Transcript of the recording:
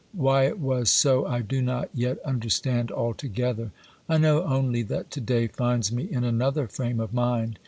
Why it was so I do not yet understand altogether ; I know only that to day finds me in another frame of mind.